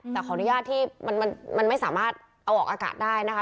แต่ขออนุญาตที่มันไม่สามารถเอาออกอากาศได้นะคะ